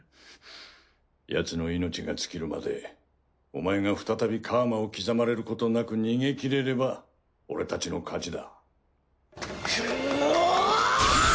ヤツの命が尽きるまでお前が再び楔を刻まれることなく逃げ切れれば俺たちの勝ちだ。うお！！